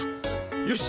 よし！